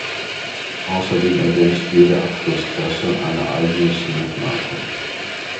Außerdem ergänzt jede Abschlussklasse eine eigene Smoot-Marke.